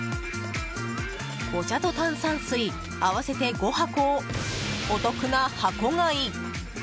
お茶と炭酸水合わせて５箱をお得な箱買い。